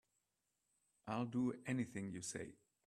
I'll do anything you say.